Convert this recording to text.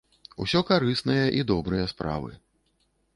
Усё карысныя і добрыя справы.